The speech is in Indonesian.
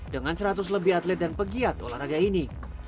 dengan seratus lebih atlet dan pegiat olahraga ini